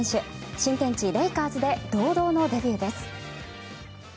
新天地レイカーズで堂々のデビューです。